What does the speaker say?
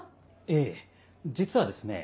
ええ実はですね